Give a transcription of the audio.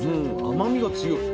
甘みが強い。